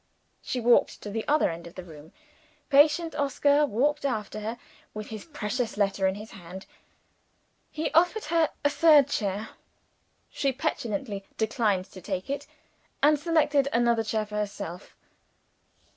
She walked to the other end of the room. Patient Oscar walked after her, with his precious letter in his hand. He offered her a third chair. She petulantly declined to take it, and selected another chair for herself.